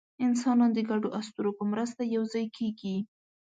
انسانان د ګډو اسطورو په مرسته یوځای کېږي.